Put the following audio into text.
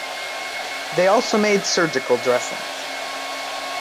They also made surgical dressings.